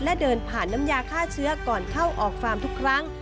และเดินผ่านน้ำยาฆ่าเชื้อก่อนเข้าออกฟาร์มทุกครั้ง